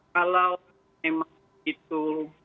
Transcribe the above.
kalau memang itu